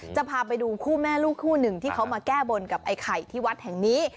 จะพาไปดูคู่แม่ลูกคู่หนึ่งที่เขามาแก้บนกับไอ้ไข่ที่วัดแห่งนี้